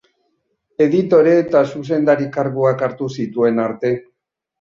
Editore eta zuzendari karguak hartu zituen arte.